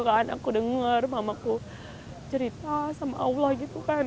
dan aku denger mamaku cerita sama allah gitu kan